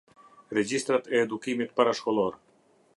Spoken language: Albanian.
Regjistrat e edukimit parashkollor.